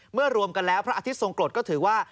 รวมกันแล้วพระอาทิตย์ทรงกรดก็ถือว่า